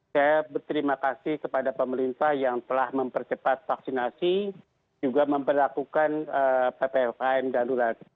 saya berterima kasih kepada pemerintah yang telah mempercepat vaksinasi juga memperlakukan ppkm darurat